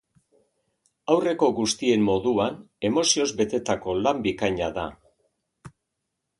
Aurreko guztien moduan, emozioz betetako lan bikaina da.